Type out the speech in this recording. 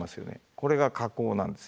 これが火口なんです。